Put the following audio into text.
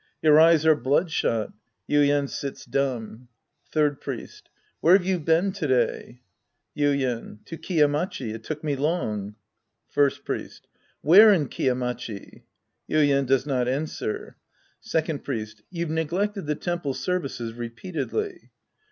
Your eyes are bloodshot. (Yuien sits dumb.) Third Priest. Where' ve you been to day ? Yuien. To Kiya Machi. It took me long. First Priest. Where in Kiya Machi ? (Yuien does not answer.) Second Priest. You've neglected the temple ser vices repeatedly.